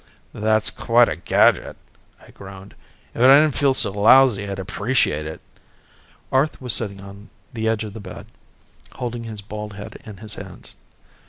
"That's quite a gadget," I groaned. "If I didn't feel so lousy, I'd appreciate it." Arth was sitting on the edge of the bed holding his bald head in his hands.